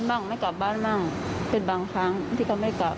่งไม่กลับบ้านบ้างเป็นบางครั้งที่เขาไม่กลับ